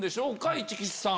市來さん。